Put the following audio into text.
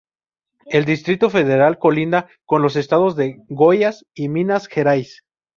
El Distrito Federal colinda con los Estados de Goiás y Minas Gerais.